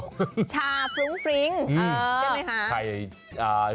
ชาฟรุ้งฟริ้งใช่ไหมคะ